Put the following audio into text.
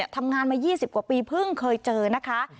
ทำงานมา๒๐กว่าปีเพิ่งเคยเจอนะคะ